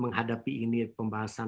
menghadapi ini pembangunan